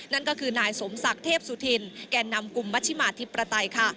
นั่นก็คือนายสมศักดิ์เทพสุธินแก่นำกลุ่มวัชิมาธิปไตยค่ะ